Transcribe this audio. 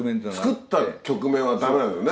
作った曲面はダメなんですよね。